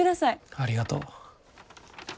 ありがとう。